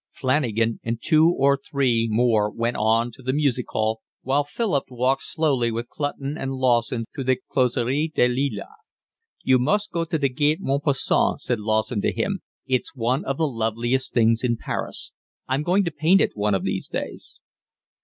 Flanagan and two or three more went on to the music hall, while Philip walked slowly with Clutton and Lawson to the Closerie des Lilas. "You must go to the Gaite Montparnasse," said Lawson to him. "It's one of the loveliest things in Paris. I'm going to paint it one of these days."